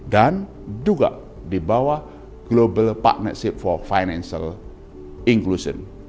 dan juga di bawah global partnership for financial inclusion